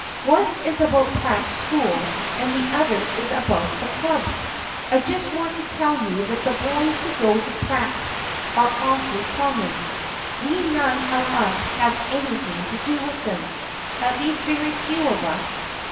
" One is about Pratt's school and the other is about the club. I just want to tell you that the boys who go to Pratt s THE FKIENDSHIP OF ANNE 41 are awfully common. We none of us have any thing to do with them, at least very few of us.